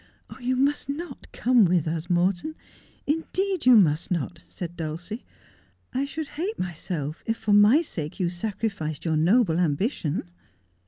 ' You must not come with us, Morton ; indeed you must not,' said Dulcie. ' I should hate myself if for my sake you sacrificed your noble ambition.'